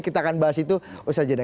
kita akan bahas itu usaha jeda